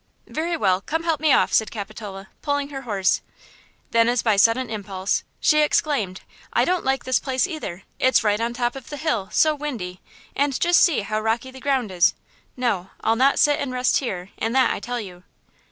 "Very well; come help me off," said Capitola, pulling her horse; then as by sudden impulse, she exclaimed: "I don't like this place either; it's right on top of the hill; so windy, and just see how rocky the ground is. No, I'll not sit and rest here, and that I tell you."